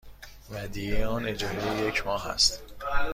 ودیعه آن اجاره یک ماه است.